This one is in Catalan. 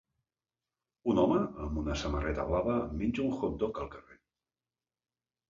Un home amb una samarreta blava menja un hot dog al carrer